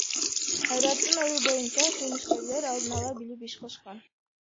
Кайраттын ою боюнча, кылмышкерлер алдын ала билип иш кылышкан.